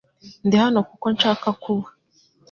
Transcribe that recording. Ndi hano kuko nshaka kuba .